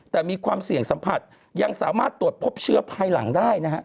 แต่มีความเสี่ยงสัมผัสยังสามารถตรวจพบเชื้อภายหลังได้นะฮะ